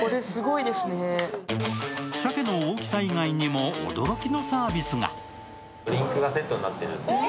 鮭の大きさ以外にも驚きのサービスが。